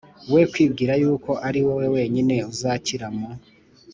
We kwibwira yuko ari wowe wenyine uzakira mu